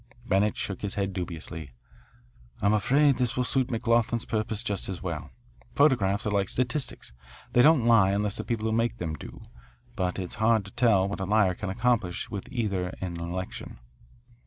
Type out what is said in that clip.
Bennett shook his head dubiously. "I'm afraid this will suit McLoughlin's purpose just as well. Photographs are like statistics. They don't lie unless the people who make them do. But it's hard to tell what a liar can accomplish with either in an election."